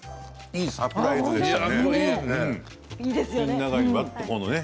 いいサプライズですね。